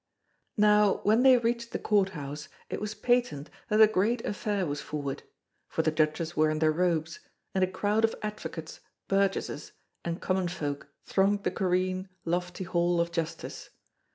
Now when they reached the Court House it was patent that a great affair was forward; for the Judges were in their robes, and a crowd of advocates, burgesses, and common folk thronged the careen, lofty hall of justice.